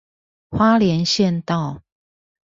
花蓮縣道